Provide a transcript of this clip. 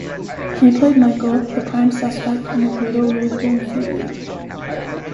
He played Michael, the prime suspect in a brutal rape during Fleet Week.